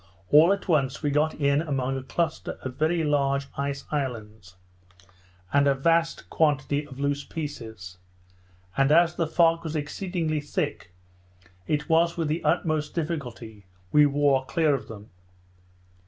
all at once we got in among a cluster of very large ice islands, and a vast quantity of loose pieces; and as the fog was exceedingly thick, it was with the utmost difficulty we wore clear of them.